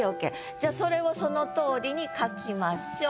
じゃあそれをそのとおりに書きましょう。